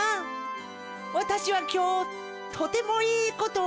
わたしはきょうとてもいいことをしました。